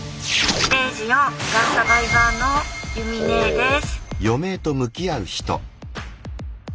ステージ４がんサバイバーのゆみねーです。